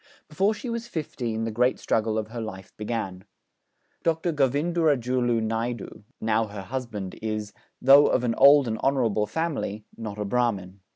Before she was fifteen the great struggle of her life began. Dr. Govindurajulu Naidu, now her husband, is, though of an old and honourable family, not a Brahmin.